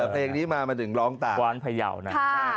แต่เพลงนี้มามาถึงร้องตากว้านพยาวนะ